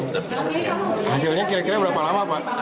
hasilnya kira kira berapa lama pak